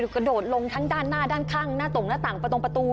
กระโดดลงทั้งด้านหน้าด้านข้างหน้าตรงหน้าต่างประตงประตู